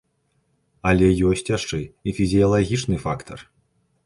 Але ёсць яшчэ і фізіялагічны фактар.